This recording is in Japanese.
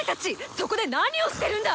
そこで何をしてるんだ